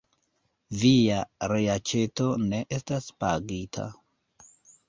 Via reaĉeto ne estas pagita.